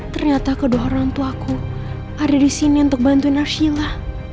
ternyata kedua orang tuaku ada disini untuk bantuin arshila